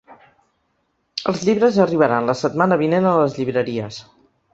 Els llibres arribaran la setmana vinent a les llibreries.